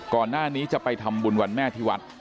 ก่อนหน้านี้จะไปทำบุญวันแม่ที่วัด